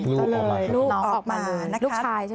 ลูกออกมาครับลูกชายใช่ไหมครับน้องออกมาเลย